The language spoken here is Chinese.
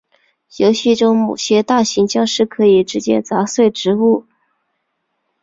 游戏中某些大型僵尸可以直接砸碎植物。